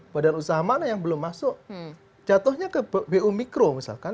badan usaha mana yang belum masuk jatuhnya ke bu mikro misalkan